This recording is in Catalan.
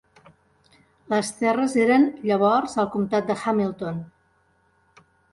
Les terres eren llavors al comtat de Hamilton.